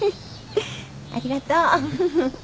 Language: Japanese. ありがとう。